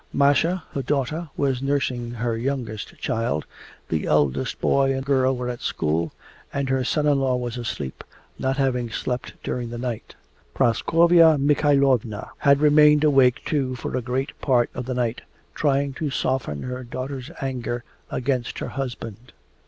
Masha, her daughter, was nursing her youngest child, the eldest boy and girl were at school, and her son in law was asleep, not having slept during the night. Praskovya Mikhaylovna had remained awake too for a great part of the night, trying to soften her daughter's anger against her husband.